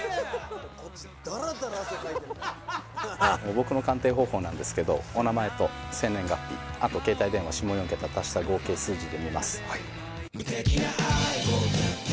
僕の鑑定方法なんですけどお名前と生年月日あと携帯電話下４桁足した合計数字で見ます。